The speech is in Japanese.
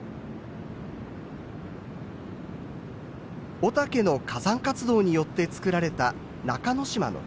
御岳の火山活動によってつくられた中之島の北部。